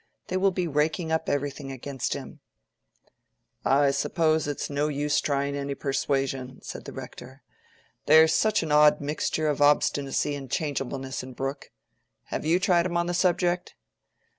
They will be raking up everything against him." "I suppose it's no use trying any persuasion," said the Rector. "There's such an odd mixture of obstinacy and changeableness in Brooke. Have you tried him on the subject?"